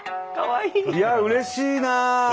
いやうれしいなあ。